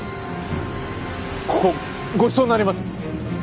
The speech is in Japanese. ここごちそうになります！